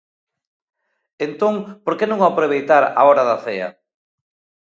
-Entón, por que non aproveitar a hora da cea?